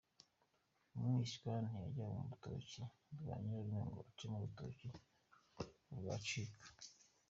Umwishywa ntiyajya mu rutoki rwa Nyirarume ngo acemo urukoma, ngo rwacika.